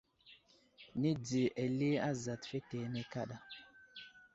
Nədi eli azat fetene kaɗa.